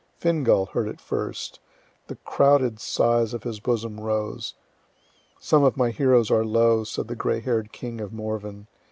Fingal heard it the first. The crowded sighs of his bosom rose. Some of my heroes are low, said the gray hair'd king of Morven.